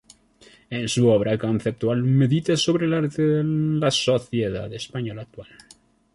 En su obra conceptual medita sobre el arte en la sociedad española actual.